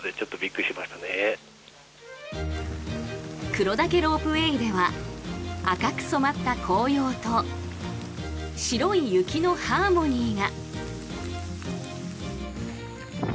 黒岳ロープウェイでは赤く染まった紅葉と白い雪のハーモニーが。